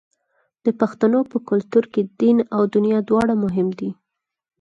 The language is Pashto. د پښتنو په کلتور کې دین او دنیا دواړه مهم دي.